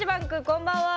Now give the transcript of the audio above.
こんばんは。